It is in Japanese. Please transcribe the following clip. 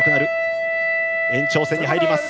延長戦に入ります。